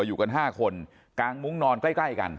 อยู่กัน๕คนกางมุ้งนอนใกล้กัน